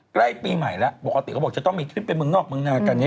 ใกล้ปีใหม่แล้วปกติเขาบอกจะต้องมีทริปไปเมืองนอกเมืองนากัน